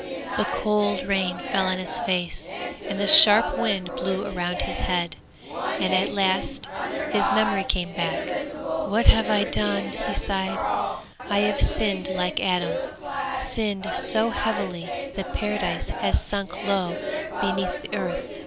The cold rain fell on his face, and the sharp wind blew around his head, and at last his memory came back. 'What have I done?' he sighed. 'I have sinned like Adam, sinned so heavily that Paradise has sunk low beneath the earth!'